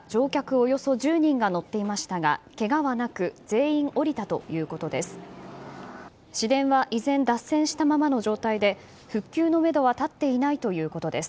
およそ１０人が乗っていましたがけがはなく全員、降りたということです。